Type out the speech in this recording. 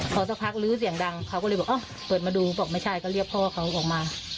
พอสักพักลื้อเสียงดังเขาก็เลยบอกเปิดมาดูบอกไม่ใช่ก็เรียกพ่อเขาออกมา